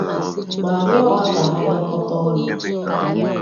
ma rịọ ha ka ha bịakọta ọnụ